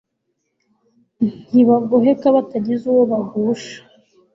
ntibagoheka batagize uwo bagusha